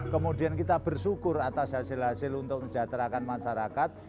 kemudian kita bersyukur atas hasil hasil untuk menjaterakan masyarakat